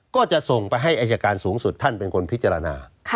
ก็จะส่งไปให้อายการสูงสุดท่านเป็นคนพิจารณา